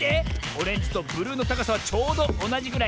オレンジとブルーのたかさはちょうどおなじぐらい。